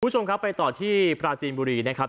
คุณผู้ชมครับไปต่อที่ปราจีนบุรีนะครับ